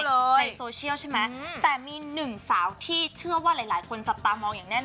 เป็นคู่เป็นคู่เลยในโซเชียลใช่ไหมแต่มีหนึ่งสาวที่เชื่อว่าหลายหลายคนจับตามองอย่างแน่นอน